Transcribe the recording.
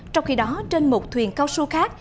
trong khi đó trên một thuyền cao su khác